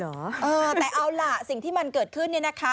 เออแต่เอาล่ะสิ่งที่มันเกิดขึ้น